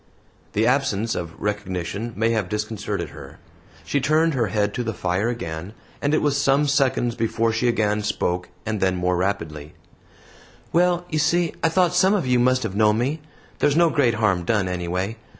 The absence of recognition may have disconcerted her. She turned her head to the fire again, and it was some seconds before she again spoke, and then more rapidly: "Well, you see I thought some of you must have known me. There's no great harm done, anyway.